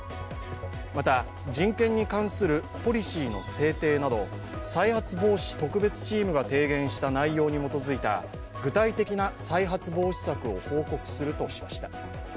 また、人権に関するポリシーの制定など再発防止特別チームが提言した内容に基づいた具体的な再発防止策を報告するとしました。